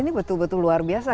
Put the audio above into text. ini betul betul luar biasa